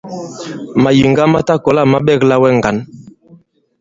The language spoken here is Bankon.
Màyìŋga ma ta kɔ̀la ma ɓɛgɛ wɛ ŋgǎn.